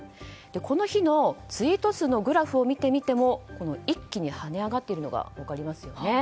この日のツイート数のグラフを見てみても一気に跳ね上がっているのが分かります。